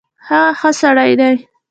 هغه ښۀ سړی ډی